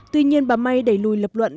tuy nhiên bà may đẩy lùi lập luận